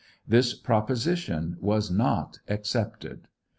This proposition was not accepted.